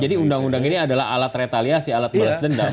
jadi undang undang ini adalah alat retaliasi alat beras dendam